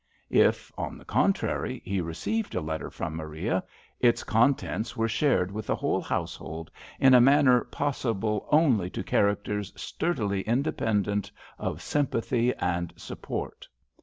If, on the contrary, he received a letter from Maria, its contents were shared with the whole household in a manner possible only to characters sturdily independent of sympathy 69 HAMPSHIRE VIGNETTES and support.